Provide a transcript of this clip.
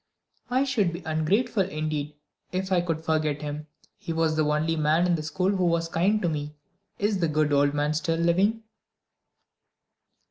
"I should be ungrateful indeed if I could forget him. He was the only person in the school who was kind to me. Is the good old man still living?"